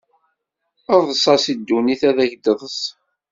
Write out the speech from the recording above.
Eḍs-as i ddunit ad ak-d-teḍs!